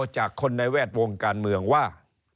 จากคนในแวดวงการเมืองว่า